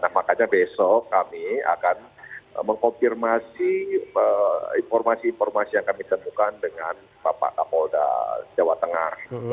makanya besok kami akan mengkonfirmasi informasi informasi yang kami temukan dengan bapak kapolda jawa tengah